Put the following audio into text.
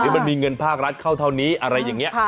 มันมีเงินภาครัฐเข้าเท่านี้อะไรอย่างนี้